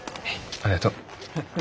ありがとう。